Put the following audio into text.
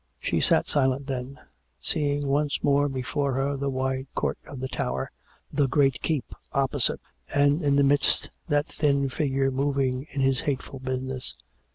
She sat silent then — seeing once more before her the wide court of the Tower, the great keep opposite, and in the midst that thin figure moving to his hateful business.